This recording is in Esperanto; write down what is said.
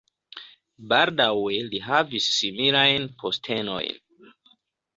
Baldaŭe li havis similajn postenojn.